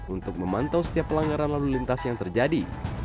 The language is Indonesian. untuk memantau setiap pelanggaran lalu lintas yang terjadi